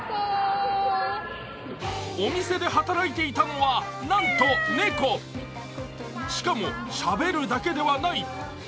お店で働いていたのは、なんと猫しかもしゃべるだけではない。